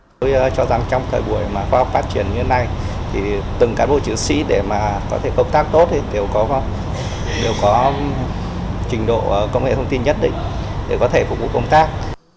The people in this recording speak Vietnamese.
tôi cho rằng trong thời buổi khoa học phát triển như thế này từng cán bộ chữ c để có thể công tác tốt đều có trình độ công nghệ thông tin nhất định để có thể phục vụ công tác